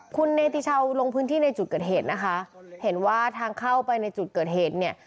คุณเนติชาวลงพื้นที่ในจุดเกิดเหตุนะคะเห็นว่าทางเข้าไปในจุดเกิดเหตุเนี่ย